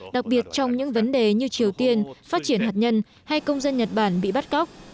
đặc biệt trong những vấn đề như triều tiên phát triển hạt nhân hay công dân nhật bản bị bắt cóc